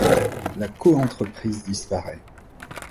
La coentreprise disparaît.